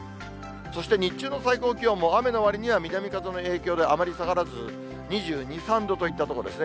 そして日中の最高気温も、雨のわりには南風の影響であまり下がらず、２２、３度といったところですね。